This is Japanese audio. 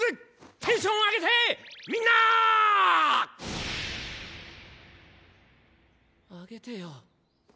テンション上げてみんな‼上げてよ。